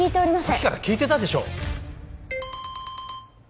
さっきから聞いてたでしょ